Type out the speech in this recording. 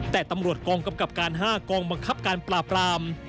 แต่ตำรวจกองกำกับการ๕กองบังคับการปราบราม